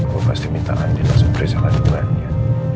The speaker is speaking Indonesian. gue pasti minta andin langsung periksa kandungannya